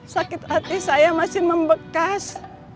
sakit hati saya masih membekas